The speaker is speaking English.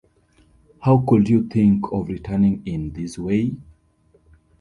How could you think of returning in this way?